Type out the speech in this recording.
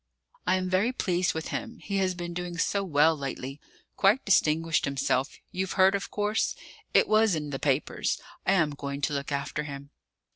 I am very pleased with him; he has been doing so well lately: quite distinguished himself; you've heard, of course? It was in the papers. I am going to look after him."